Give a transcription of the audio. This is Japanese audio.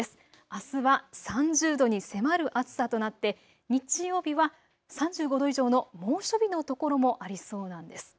あすは３０度に迫る暑さとなって日曜日は３５度以上の猛暑日の所もありそうなんです。